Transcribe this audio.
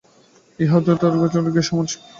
ইহৈব তৈর্জিত সর্গো যেষাং সাম্যে স্থিতং মনঃ।